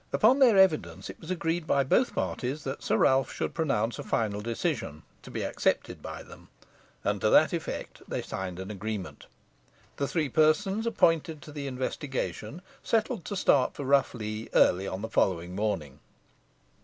Upon their evidence it was agreed by both parties that Sir Ralph should pronounce a final decision, to be accepted by them, and to that effect they signed an agreement. The three persons appointed to the investigation settled to start for Rough Lee early on the following morning.